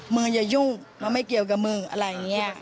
อย่ายุ่งมึงไม่เกี่ยวกับมึงอะไรอย่างนี้